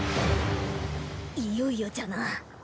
いよいよじゃな。